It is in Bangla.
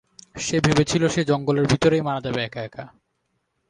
সে ভেবেছিল সে জঙ্গলের ভিতরেই মারা যাবে একা একা।